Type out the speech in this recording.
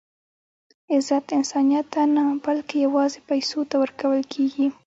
عزت انسانیت ته نه؛ بلکي یوازي پېسو ته ورکول کېږي.